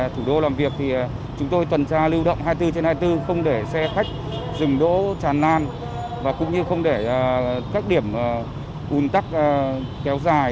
tuy nhiên không để xe khách dừng đỗ tràn lan và cũng như không để các điểm ung tắc kéo dài